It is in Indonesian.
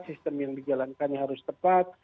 sistem yang dijalankannya harus tepat